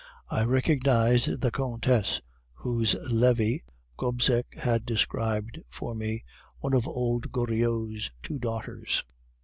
I recognized the Countess, whose levee Gobseck had described for me, one of old Goriot's two daughters.